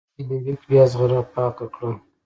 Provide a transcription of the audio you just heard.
فلیریک بیا زغره پاکه کړه.